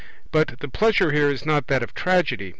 But the pleasure here is not that of Tragedy.